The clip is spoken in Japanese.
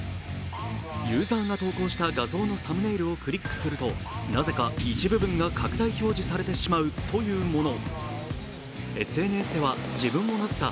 ユーザーが投稿した画像のサムネイルをクリックすると、なぜか一部分が拡大表示されてしまうというもの。